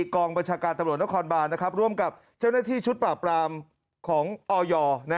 กองบัญชาการตำรวจนครบานร่วมกับเจ้าหน้าที่ชุดปราบรามของออย